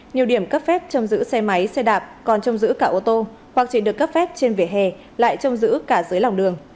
nhiều điểm cấp phép trong giữ xe máy xe đạp còn trông giữ cả ô tô hoặc chỉ được cấp phép trên vỉa hè lại trong giữ cả dưới lòng đường